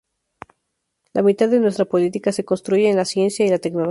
La mitad de nuestra política se construye en la ciencia y la tecnología.